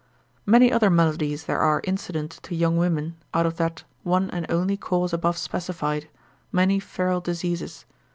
Many other maladies there are incident to young women, out of that one and only cause above specified, many feral diseases.